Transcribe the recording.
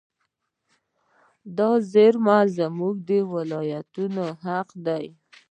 دا زیرمې زموږ د اولادونو حق دی.